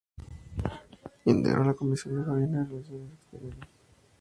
Integró la comisión de Gobierno y Relaciones Exteriores.